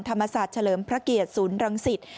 ธรรมศาสตร์เฉลิมพระเกียรติศูนย์รังสิต